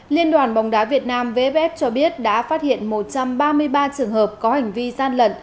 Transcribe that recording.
liên đoàn bóng đá việt nam vff cho biết đã phát hiện một trăm ba mươi ba trường hợp có hành vi gian lận